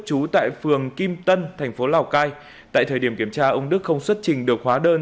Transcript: trú tại phường kim tân thành phố lào cai tại thời điểm kiểm tra ông đức không xuất trình được hóa đơn